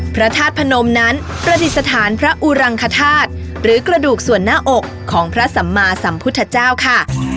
พระธาตุพนมนั้นประดิษฐานพระอุรังคธาตุหรือกระดูกส่วนหน้าอกของพระสัมมาสัมพุทธเจ้าค่ะ